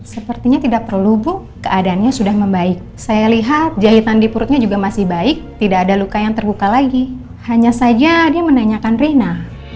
sepertinya tidak perlu bu keadaannya sudah membaik saya lihat jahitan di perutnya juga masih baik tidak ada luka yang terbuka lagi hanya saja dia menanyakan rina